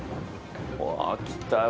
うわ。来たよ。